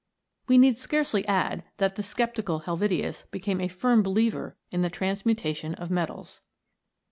We need scarcely add that the sceptical Helvetius became a firm believer in the transmutation of metals.